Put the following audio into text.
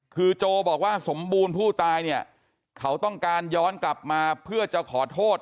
คือโจบอกว่าสมบูรณ์ผู้ตายเนี่ยเขาต้องการย้อนกลับมาเพื่อจะขอโทษ